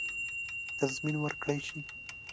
تضمین ورکړه شي.